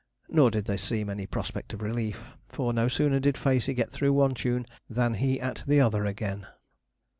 Nor did there seem any prospect of relief, for no sooner did Facey get through one tune than he at the other again.